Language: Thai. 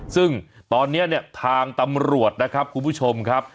ซึ่งตอนนี้เนี่ยทางตำรวจนะครับคุณผู้ชมครับ